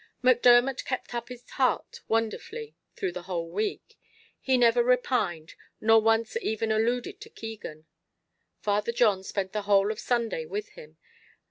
Macdermot kept up his heart wonderfully through the whole week. He never repined, nor once even alluded to Keegan. Father John spent the whole of Sunday with him.